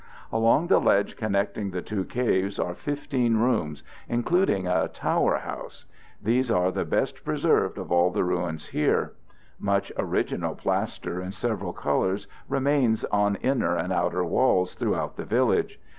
Along the ledge connecting the two caves are 15 rooms, including a "tower" house; these are the best preserved of all the ruins here. Much original plaster in several colors remains on inner and outer walls throughout the village.